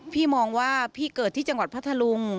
พี่มองว่าพี่เกิดที่จังหวัดพัทธลุง